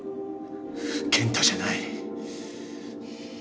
健太じゃない。